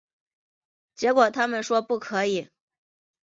结果他们说不可以